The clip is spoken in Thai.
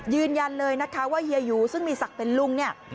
ยืนยันเลยนะคะว่าเฮียหยูซึ่งมีศักดิ์เป็นลุงเนี่ย